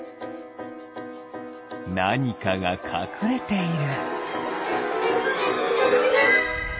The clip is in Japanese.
なにかがかくれている。